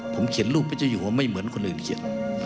ผมเขียนรูปพระเจ้าอยู่ว่าไม่เหมือนคนอื่นเขียน